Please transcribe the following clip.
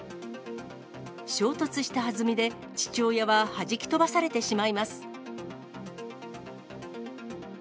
衝突したはずみで、父親ははじき飛ばされてしまいます。